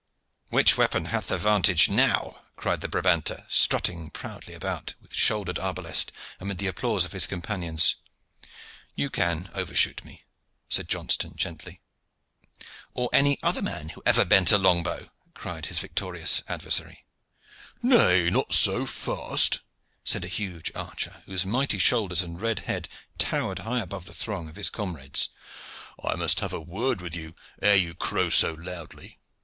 "Which weapon hath the vantage now?" cried the Brabanter, strutting proudly about with shouldered arbalest, amid the applause of his companions. "You can overshoot me," said Johnston gently. "Or any other man who ever bent a long bow," cried his victorious adversary. "Nay, not so fast," said a huge archer, whose mighty shoulders and red head towered high above the throng of his comrades. "I must have a word with you ere you crow so loudly.